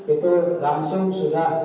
itu langsung sudah